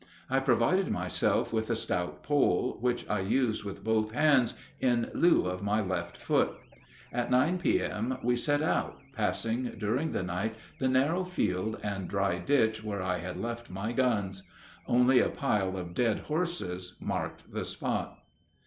I provided myself with a stout pole, which I used with both hands in lieu of my left foot. At 9 P.M. we set out, passing during the night the narrow field and the dry ditch where I had left my guns. Only a pile of dead horses marked the spot.